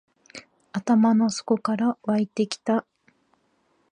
頭の底から湧いてきた